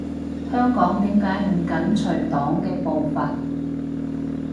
香港點解唔緊隨黨嘅步伐？